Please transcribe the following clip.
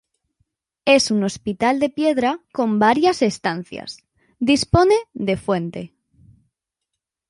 Es un hospital de piedra con varias estancias, dispone de fuente.